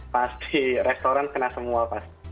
pasti restoran kena semua pasti